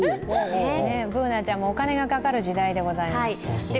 Ｂｏｏｎａちゃんもお金がかかる時代でございます。